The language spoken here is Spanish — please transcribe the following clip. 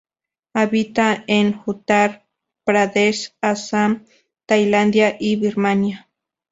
Habita en Uttar Pradesh, Assam, Tailandia y Birmania.